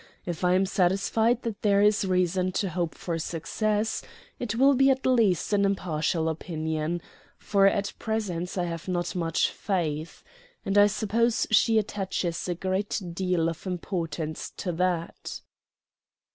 If I am satisfied that there is reason to hope for success, it will be at least an impartial opinion for at present I have not much faith. And I suppose she attaches a great deal of importance to that."